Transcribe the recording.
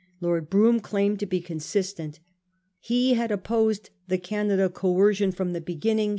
Lord Brougham claimed to be consistent. He had opposed the Canada coercion from the beginning, he 74 A.